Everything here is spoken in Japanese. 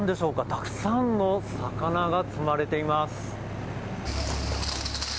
たくさんの魚が積まれています。